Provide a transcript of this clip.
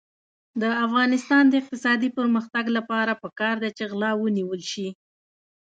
د افغانستان د اقتصادي پرمختګ لپاره پکار ده چې غلا ونیول شي.